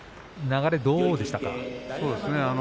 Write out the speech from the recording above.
流れ、どうでしたか？